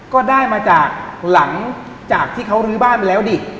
ก็ได้มาจากหลังจากที่เขาลื้อบ้านไปแล้วดิ